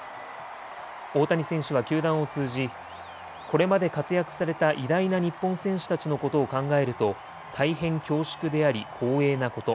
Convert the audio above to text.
大谷選手は球団を通じこれまで活躍された偉大な日本選手たちのことを考えると大変恐縮であり光栄なこと。